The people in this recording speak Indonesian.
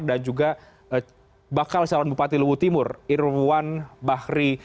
juga bakal calon bupati lubu timur irwan bahri